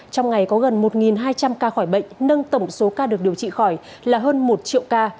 trong ngày có gần một hai trăm linh ca khỏi bệnh nâng tổng số ca được điều trị khỏi là hơn một triệu ca